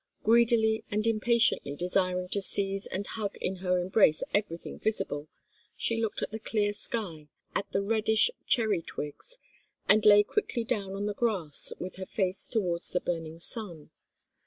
Greedily and impatiently desiring to seize and hug in her embrace everything visible, she looked at the clear sky, at the reddish cherry twigs, and lay quickly down on the grass with her face towards the burning sun.